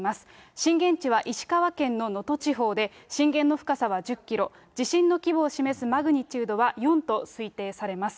震源地は石川県の能登地方で、震源の深さは１０キロ、地震の規模を示すマグニチュードは４と推定されます。